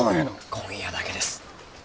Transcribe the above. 今夜だけです。